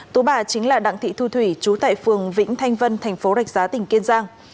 tố bà chính là đặng thị thu thủy chú tại phường vĩnh thanh vân thành phố rạch giá tỉnh kiên giang